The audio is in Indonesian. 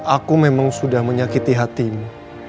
aku memang sudah menyakiti hatimu